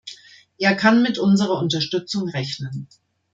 Er kann mit unserer Unterstützung rechnen.